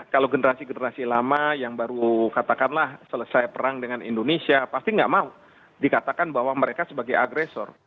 kalau generasi generasi lama yang baru katakanlah selesai perang dengan indonesia pasti nggak mau dikatakan bahwa mereka sebagai agresor